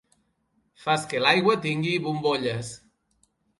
Fas que l'aigua tingui bombolles.